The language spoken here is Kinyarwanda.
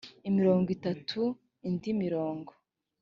mirongo itatu indi mirongo